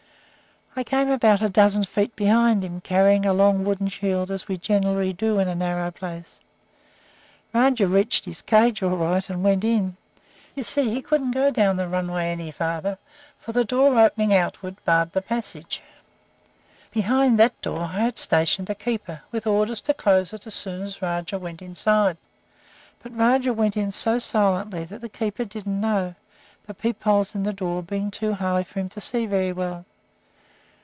I came about a dozen feet behind him, carrying a long wooden shield, as we generally do in a narrow space. Rajah reached his cage all right, and went in. You see, he couldn't go down the runway any farther, for the door opening outward barred the passage. Behind that door I had stationed a keeper, with orders to close it as soon as Rajah was inside; but Rajah went in so silently that the keeper didn't know it, the peep holes in the door being too high for him to see very well.